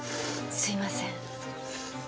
すいません。